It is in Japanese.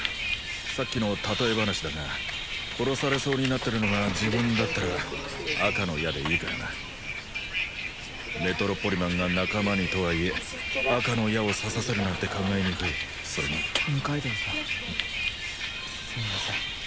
さっきの例え話だが殺されそうになってるのが自分だったら赤の矢でいいからなメトロポリマンが仲間にとはいえ赤の矢を刺させるなんて考えにくいそれに六階堂さんすみません